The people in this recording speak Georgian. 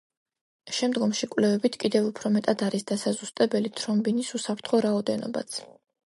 შემდგომი კვლევებით კიდევ უფრო მეტად არის დასაზუსტებელი თრომბინის უსაფრთხო რაოდენობაც.